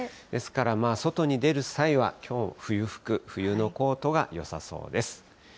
ですから外に出る際は、きょうも冬服、冬のコートがよさそうです。